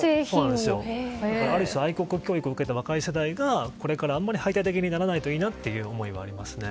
ある種、愛国教育を受けた若い世代がこれから排他的にならないでいてほしいという思いもありますね。